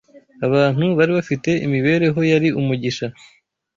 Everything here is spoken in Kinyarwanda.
abantu bari bafite imibereho yari umugisha